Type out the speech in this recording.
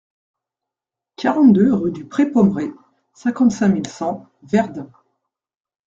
quarante-deux rue du Pré Pommeré, cinquante-cinq mille cent Verdun